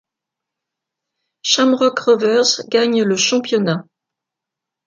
Shamrock Rovers gagne le championnat.